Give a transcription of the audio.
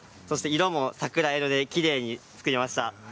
色も桜色できれいに作りました。